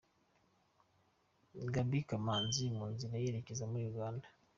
Gaby Kamanzi mu nzira yerekeza muri Uganda.